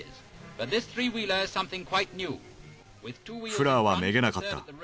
フラーはめげなかった。